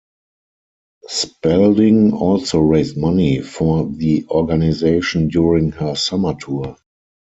Spalding also raised money for the organization during her summer tour.